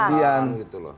adian gitu loh